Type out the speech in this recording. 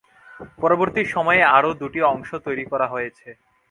পরবর্তী সময়ে আরও দুটি অংশ তৈরি করা হয়েছে।